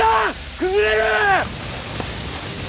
崩れる！